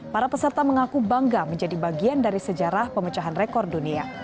para peserta mengaku bangga menjadi bagian dari sejarah pemecahan rekor dunia